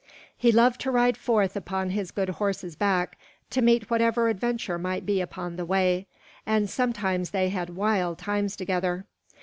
He loved to ride forth upon his good horse's back to meet whatever adventure might be upon the way, and sometimes they had wild times together.